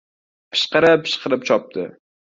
Pishqirib-pishqirib chopdi.